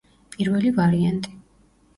პირველი ვარიანტი.